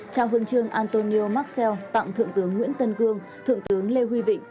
trao quân trương antonio marcel tặng thượng tướng nguyễn tân cương thượng tướng lê huy vịnh